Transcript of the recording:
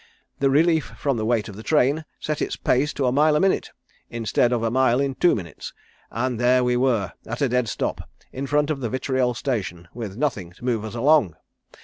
The relief from the weight of the train set its pace to a mile a minute instead of a mile in two minutes, and there we were at a dead stop in front of the Vitriol Station with nothing to move us along.